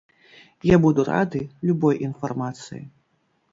Я буду рады любой інфармацыі.